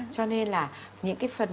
cho nên là những cái phần